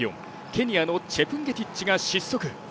ケニアのチェプンゲティッチが失速。